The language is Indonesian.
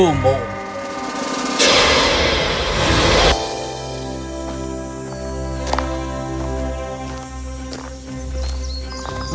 aku datang untuk membantumu